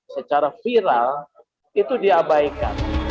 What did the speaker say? secara viral itu diabaikan